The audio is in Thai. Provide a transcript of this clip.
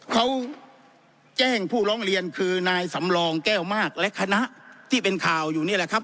เขาแจ้งผู้ร้องเรียนคือนายสำรองแก้วมากและคณะที่เป็นข่าวอยู่นี่แหละครับ